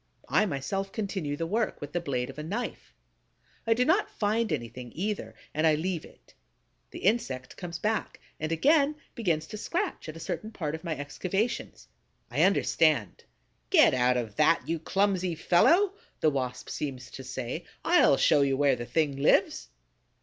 I myself continue the work, with the blade of a knife. I do not find anything, either; and I leave it. The insect comes back and again begins to scratch at a certain part of my excavations. I understand: "Get out of that, you clumsy fellow!" the Wasp seems to say. "I'll show you where the thing lives!"